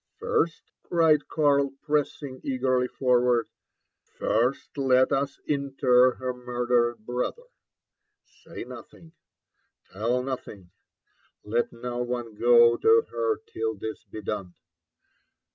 "First," cried Karl, pressing eagerly forward, " first let ua inter her murdered brother. Say nothing— tell nothing— let no one go to her till this be done.